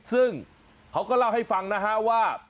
ซึ่งเขาก็เล่าให้ฟังนะฮะว่า